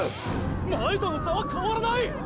前との差はかわらない！！